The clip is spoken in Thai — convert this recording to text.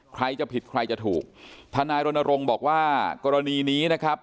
ใครจะผิดใครจะถูกทนายรณรงค์บอกว่ากรณีนี้นะครับ